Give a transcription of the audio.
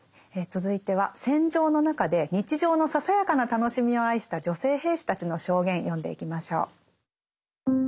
続いては戦場の中で日常のささやかな楽しみを愛した女性兵士たちの証言読んでいきましょう。